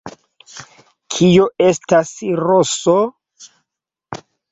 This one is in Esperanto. Kio estas roso?